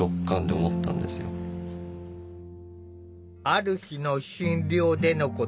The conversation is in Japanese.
ある日の診療でのこと。